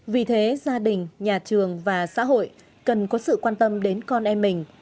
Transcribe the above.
vì thế gia đình nhà trường và xã hội cần có sự quan tâm đến con em mình